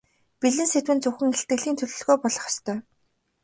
Бэлэн сэдэв нь зөвхөн илтгэлийн төлөвлөгөө болох ёстой.